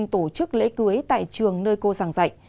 tổ chức lễ cưới tại trường nơi cô giảng dạy